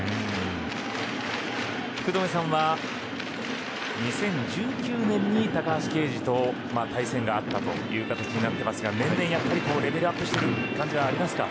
福留さんは２０１９年に高橋奎二と対戦があったという形になってますが年々、レベルアップしている感じはありますか。